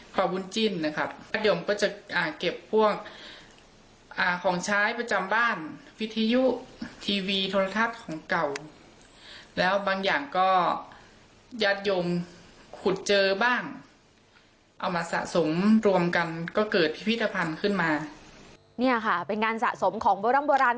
เป็นเหล่างงานสะสมของโบราณ